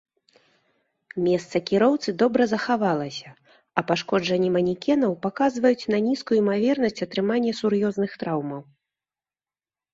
Месца кіроўцы добра захавалася, а пашкоджанні манекенаў паказваюць на нізкую імавернасць атрымання сур'ёзных траўмаў.